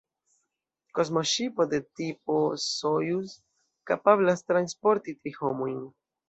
Kosmoŝipo de tipo Sojuz kapablas transporti tri homojn.